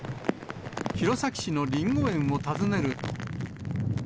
弘前市のリンゴ園を訪ねると。